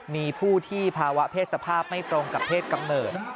มีผู้ที่ภาวะเพศสภาพไม่ตรงกับเพศกำเนิด